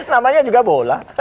namanya juga bola